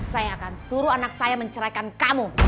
saya akan suruh anak saya menceraikan kamu